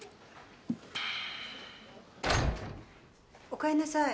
おかえりなさい。